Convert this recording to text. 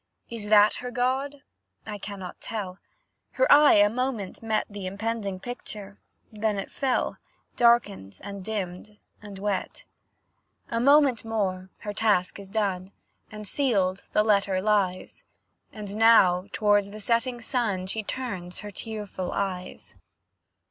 Is that her god? I cannot tell; Her eye a moment met Th'impending picture, then it fell Darkened and dimmed and wet. A moment more, her task is done, And sealed the letter lies; And now, towards the setting sun She turns her tearful eyes.